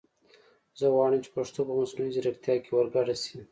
زه غواړم چې پښتو په مصنوعي زیرکتیا کې ور ګډه شي